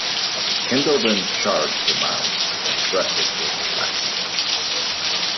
Kendall then charged the mound and wrestled with the Lackey.